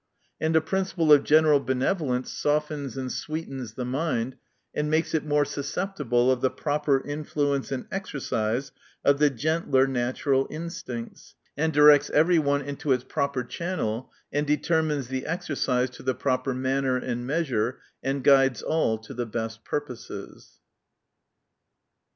And a principle of general benevo lence softens and sweetens the mind, and makes it more susceptible of the pro per influence and exercise of the gentler natural instincts, and directs every one into its proper channel, and determines the exercise to the proper manner and measure, and guides all to the best purposes.